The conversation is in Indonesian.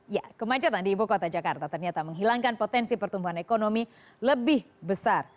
ya kemacetan di ibu kota jakarta ternyata menghilangkan potensi pertumbuhan ekonomi lebih besar